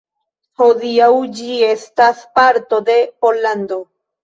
Hodiaŭ ĝi estas parto de Pollando.